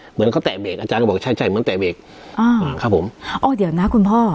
เหมือนเขาแตะเบรกอาจารย์ก็บอกใช่ใช่เหมือนแตะเบรกอ่าครับผมโอ้เดี๋ยวนะคุณพ่อ